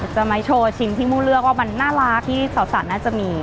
จะมาโชว์ชิมที่มู่เลือกว่ามันน่ารักที่สาวสันน่าจะมี